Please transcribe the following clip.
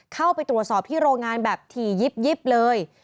เข้าไปตรวจสอบที่โรงงานแบบถี่ยิบเลย